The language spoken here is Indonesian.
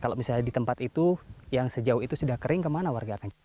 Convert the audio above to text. kalau misalnya di tempat itu yang sejauh itu sudah kering kemana warga akan